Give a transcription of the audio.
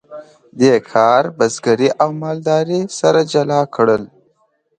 دې کار بزګري او مالداري سره جلا کړل.